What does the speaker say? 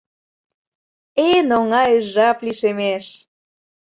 Эн оҥай жап лишемеш.